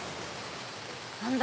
何だ？